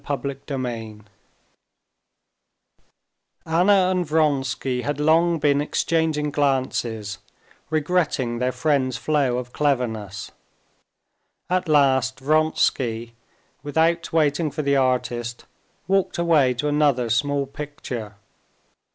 Chapter 12 Anna and Vronsky had long been exchanging glances, regretting their friend's flow of cleverness. At last Vronsky, without waiting for the artist, walked away to another small picture.